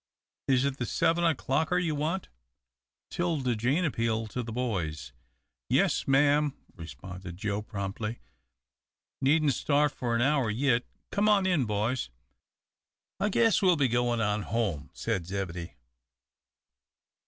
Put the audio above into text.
"Is it the seven o'clocker you want?" 'Tilda Jane appealed to the boys. "Yes, m'am," responded Joe, promptly. "Needn't start for an hour yit. Come on in, boys." "I guess we'll be goin' on home," said Zebedee.